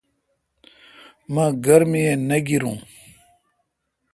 مہ گرمی می نہ گیروں۔